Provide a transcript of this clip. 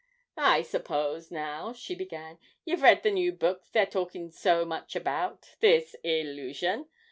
'I suppose now,' she began, 'ye've read the new book they're talking so much about this "Illusion"?